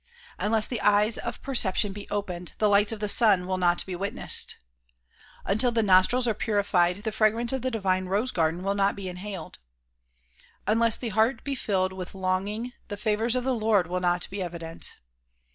Unless the eyes of per ception be opened the lights of the sun will not be witnessed. Until the nostrils are purified the fragrance of the divine rose garden will not be inhaled. Unless the heart be filled with longing the favors of the Lord will not be evident.